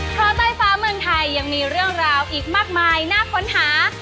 เพราะใต้ฟ้าเมืองไทยยังมีเรื่องราวอีกมากมายน่าค้นหา